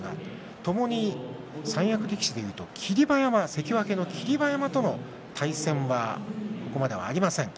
ともに三役力士でいうと関脇の霧馬山との対戦がここまではありません。